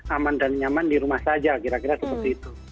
aman dan nyaman di rumah saja kira kira seperti itu